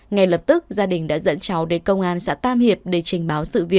ngay lập tức gia đình đã dẫn cháu đến công an xã tam hiệp để trình báo